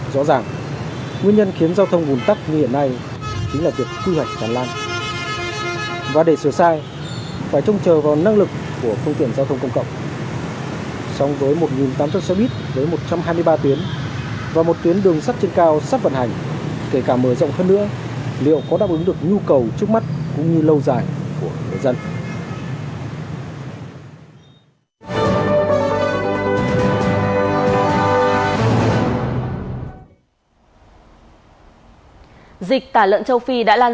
rõ ràng nguyên nhân khiến giao thông vùn tắc như hiện nay chính là việc quy hoạch đàn lan